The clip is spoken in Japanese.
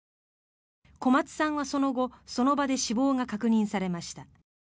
小松さんはその後その場で死亡が確認されました。